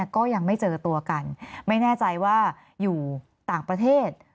ก็ยังไม่เจอตัวกันไม่แน่ใจว่าอยู่ต่างประเทศ